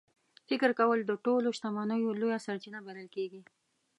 فکر کول د ټولو شتمنیو لویه سرچینه بلل کېږي.